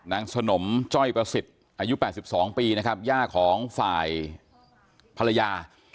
นางสนมจ้อยประสิทธิ์อายุ๘๒ปีย่าของฝ่ายภรรยา